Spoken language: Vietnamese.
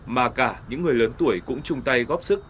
mà cả những người lớn tuổi cũng chung tay góp sức